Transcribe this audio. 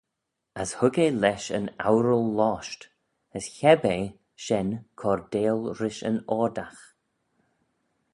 As hug eh lesh yn oural-losht, as heb eh shen cordail rish yn oardagh.